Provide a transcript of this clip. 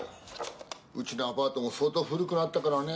うちのアパートも相当古くなったからね